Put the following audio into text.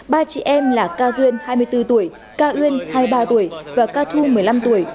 ba chị em là cao duyên hai mươi bốn tuổi cao uyên hai mươi ba tuổi và ca thu một mươi năm tuổi